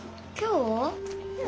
うん。